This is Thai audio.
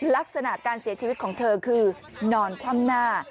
ลักษณะการเสียชีวิตของเธอคือนอนคว่ำหน้า